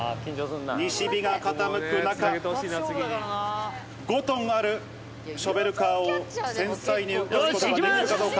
西日が傾く中、５トンあるショベルカーを繊細に動かすことができるかどうか。